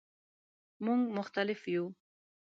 مونږ مختلف یو